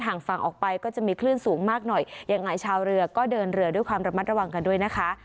งฝั่งออกไปก็จะมีคลื่นสูงมากหน่อยยังไงชาวเรือก็เดินเรือด้วยความระมัดระวังกันด้วยนะคะ